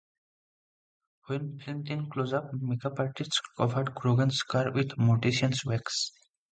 When filmed in close up, makeup artists covered Grogan's scar with mortician's wax.